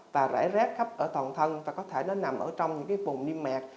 và rải rác khắp toàn thân và có thể nó nằm trong những vùng niêm mạc